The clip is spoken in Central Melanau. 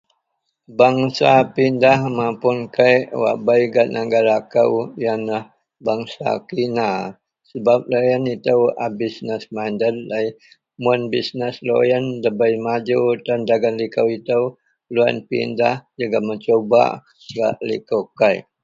Bangsa pindah mapun likou kek gak negara kou yenlah bangsa kina sebap loyen itou a bisness minded. Mun bisness deloyen ndabei maju tan dagen likou itou loyen pindah jegem mencubak gak likou kek